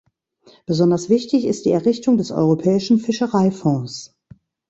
Besonders wichtig ist die Errichtung des Europäischen Fischereifonds.